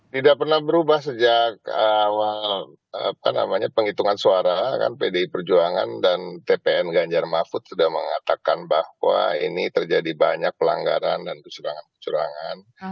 tidak pernah berubah sejak awal penghitungan suara kan pdi perjuangan dan tpn ganjar mahfud sudah mengatakan bahwa ini terjadi banyak pelanggaran dan kecurangan kecurangan